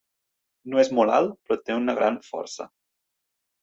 No és molt alt però té una gran força.